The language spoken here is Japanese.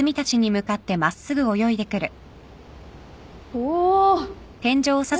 お。